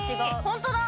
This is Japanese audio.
ホントだ。